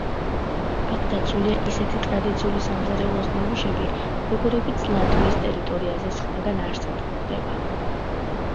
აქ დაცულია ისეთი ტრადიციული სამზარეულოს ნიმუშები, როგორებიც ლატვიის ტერიტორიაზე სხვაგან არსად გვხვდება.